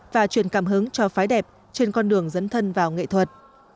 và truyền cảm hứng cho phái đẹp trên con đường dấn thân vào nghệ thuật